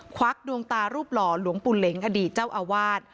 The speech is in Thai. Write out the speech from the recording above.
วักดวงตารูปหล่อหลวงปู่เหล็งอดีตเจ้าอาวาส